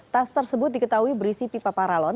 tas tersebut diketahui berisi pipa paralon